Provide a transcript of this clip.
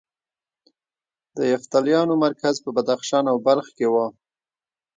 د یفتلیانو مرکز په بدخشان او بلخ کې و